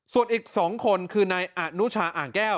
ส่วนอีก๒คนคือนายอนุชาอ่างแก้ว